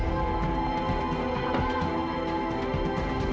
saya juga nolak gak darle lagi